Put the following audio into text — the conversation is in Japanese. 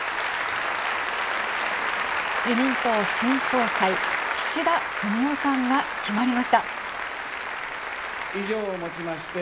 自民党新総裁、岸田文雄さんが決まりました。